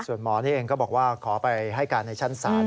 ส่วนหมอนี่เองก็บอกว่าขอไปให้การในชั้นศาล